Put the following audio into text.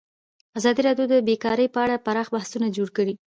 ازادي راډیو د بیکاري په اړه پراخ بحثونه جوړ کړي.